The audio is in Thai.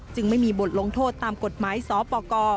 ไม่มีบทลงโทษตามกฎหมายสปก